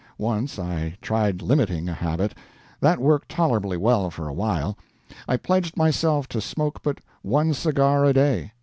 Once I tried limiting a habit. That worked tolerably well for a while. I pledged myself to smoke but one cigar a day.